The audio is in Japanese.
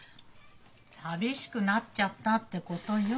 寂しくなっちゃったってことよ。